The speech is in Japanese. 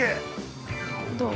どう？